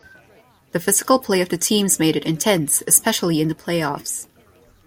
The physical play of the teams made it intense, especially in the playoffs.